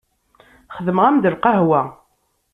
Xedmeɣ-am-d lqahwa.